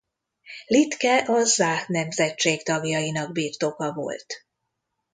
Litke a Záh nemzetség tagjainak birtoka volt.